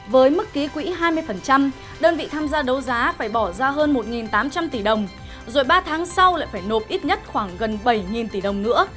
với mức ký quỹ hai mươi đơn vị tham gia đấu giá phải bỏ ra hơn một tám trăm linh tỷ đồng rồi ba tháng sau lại phải nộp ít nhất khoảng gần bảy tỷ đồng nữa